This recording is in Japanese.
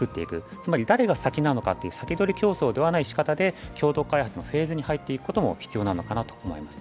つまり誰が先なのかという先取り競争ではないしかたで共同開発のフェーズに入っていくことも必要なのではないかと思います。